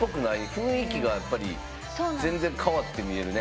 雰囲気がやっぱり全然変わって見えるね。